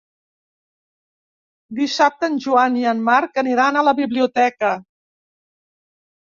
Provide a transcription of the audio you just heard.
Dissabte en Joan i en Marc aniran a la biblioteca.